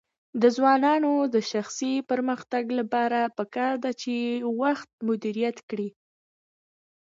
د ځوانانو د شخصي پرمختګ لپاره پکار ده چې وخت مدیریت کړي.